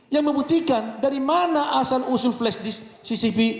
yang membuktikan dari mana asal usul flash disk cctv